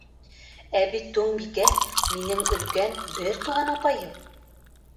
Ә бит Туңбикә минең өлкән бер туған апайым.